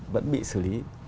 vẫn bị xử lý